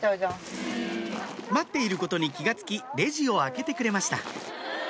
待っていることに気が付きレジを開けてくれました